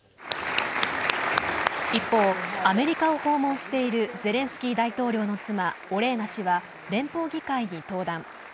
一方、アメリカを訪問しているゼレンスキー大統領の妻、オレーナ氏は連邦議会に登壇。